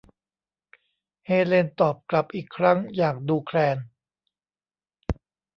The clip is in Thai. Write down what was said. เฮเลนตอบกลับอีกครั้งอย่างดูแคลน